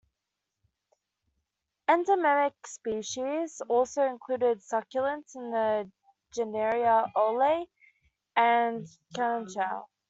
Endemic species also included succulents in the genera "Aloe" and "Kalanchoe".